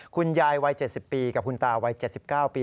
คุณยายวัย๗๐ปีกับคุณตาวัย๗๙ปี